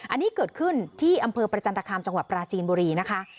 อันนี้เกิดขึ้นที่อำเภอประจันตคามจังหวัดปราจีนบุรีนะคะ